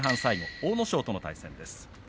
阿武咲との対戦です。